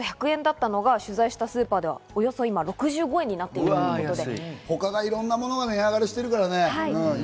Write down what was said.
およそ１００円だったのが、取材したスーパーでは今６５円になっているということです。